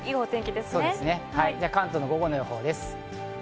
関東の午後の予報です。